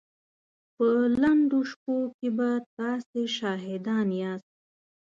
په لنډو شپو کې به تاسې شاهدان ياست.